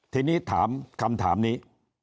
ทีนี้ถามคำถามนี้